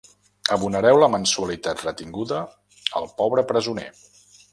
Abonareu la mensualitat retinguda al pobre presoner.